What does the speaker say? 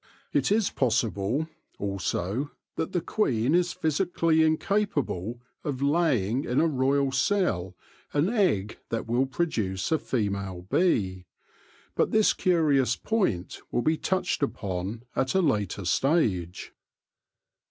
It is possible, also, that the queen is physically incapable of laying in a royal cell an egg that will produce a female bee ; but this curious point will be touched upon at a later stage.